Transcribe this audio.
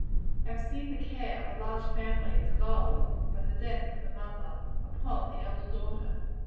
I have seen the care of a large family devolve, by the death of the mother, upon the elder daughter.